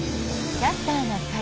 「キャスターな会」。